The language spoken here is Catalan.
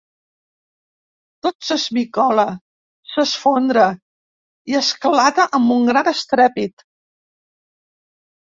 Tot s'esmicola, s'esfondra i esclata amb un gran estrèpit.